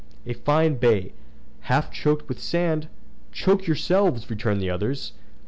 "A fine bay; half choked with sand!" "Choked yourselves!" returned the others.